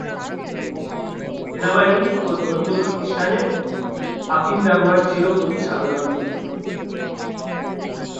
সেনাবাহিনী ও ধর্মীয় প্রতিষ্ঠানে আফিম ব্যবহার ছিল অতি সাধারণ ব্যাপার।